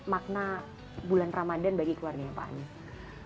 makna bulan ramadhan bagi keluarganya pak anies